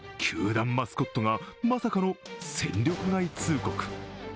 球団マスコットがまさかの戦力外通告。